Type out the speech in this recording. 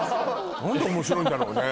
何で面白いんだろうね